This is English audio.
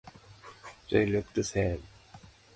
They look the same.